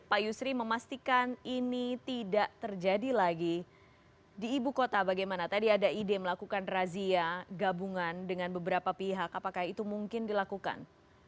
pak yusri memastikan ini tidak terjadi lagi di ibu kota bagaimana tadi ada ide melakukan razia gabungan dengan beberapa pihak apakah itu mungkin dilakukan